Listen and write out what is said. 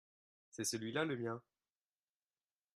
c'est celui-là le mien.